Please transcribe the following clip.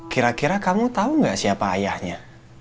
kira kira kamu tahu nggak siapa ayahnya